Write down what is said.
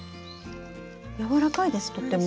やわらかいですとっても。